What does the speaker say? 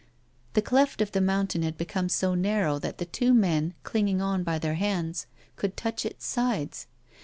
The cleft of the mountain had become so narrow that the two men, clinging on by their hands, could touch its sides.